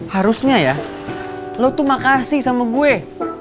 harusnya ya lo tuh makasih sama gue